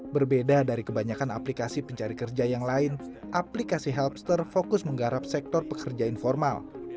berbeda dari kebanyakan aplikasi pencari kerja yang lain aplikasi helpster fokus menggarap sektor pekerja informal